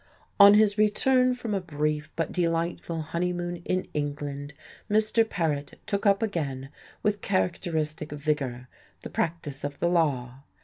"On his return from a brief but delightful honeymoon in England Mr. Paret took up again, with characteristic vigour, the practice of the law.